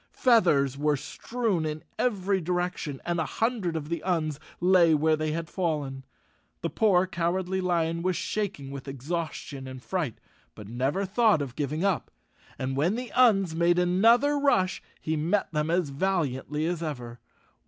Feathers were strewn in every direction, and a hundred of the Uns lay where they had fallen. The poor Cowardly Lion was shaking with exhaus 154 _ Chapter Eleven tion and fright, but never thought of giving up, and when the Uns made another rush, he met them as valiantly as ever.